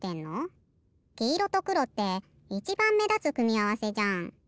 きいろとくろっていちばんめだつくみあわせじゃん。